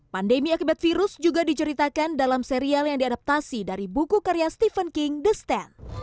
pandemi akibat virus juga diceritakan dalam serial yang diadaptasi dari buku karya stephen king the stand